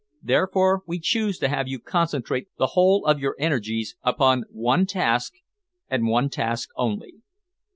Therefore, we choose to have you concentrate the whole of your energies upon one task and one task only.